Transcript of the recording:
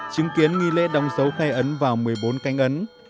chứng kiến nghi lễ đóng dấu khai ấn vào một mươi bốn cánh ấn